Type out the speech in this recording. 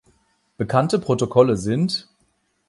Bekannte Protokolle sind